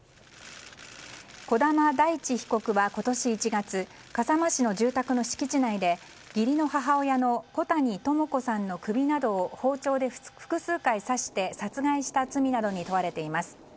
児玉大地被告は今年１月笠間市の住宅の敷地内で義理の母親の小谷朋子さんの首などを包丁で複数回刺して殺害した罪などに問われています。